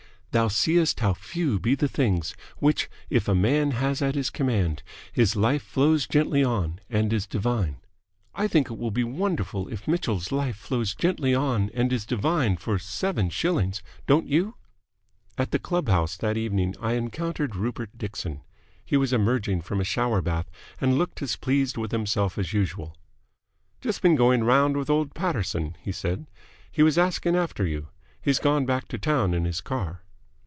'Thou seest how few be the things which if a man has at his command his life flows gently on and is divine.' I think it will be wonderful if Mitchell's life flows gently on and is divine for seven shillings, don't you?" At the club house that evening I encountered Rupert Dixon. He was emerging from a shower bath, and looked as pleased with himself as usual. "Just been going round with old Paterson," he said. "He was asking after you. He's gone back to town in his car."